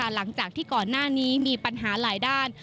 หลังจากที่ก่อนหน้านี้มีปัญหาหลายด้าน